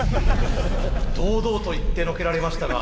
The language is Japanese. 堂々と言ってのけられましたが。